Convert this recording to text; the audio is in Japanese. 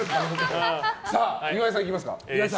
岩井さん、いきましょうか。